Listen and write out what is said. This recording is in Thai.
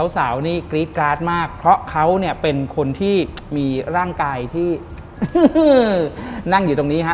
สาวนี่กรี๊ดกราดมากเพราะเขาเนี่ยเป็นคนที่มีร่างกายที่นั่งอยู่ตรงนี้ฮะ